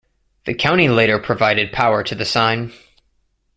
The county later provided power to the sign.